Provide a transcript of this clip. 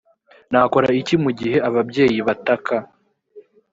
nakora iki mu gihe ababyeyi batak